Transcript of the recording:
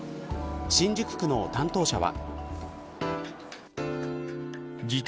新宿区の担当者は。